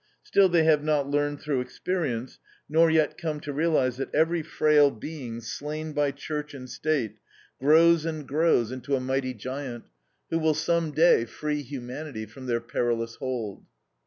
Still they have not learned through experience, nor yet come to realize that every frail being slain by Church and State grows and grows into a mighty giant, who will some day free humanity from their perilous hold.